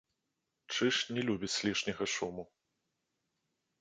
Чыж не любіць лішняга шуму.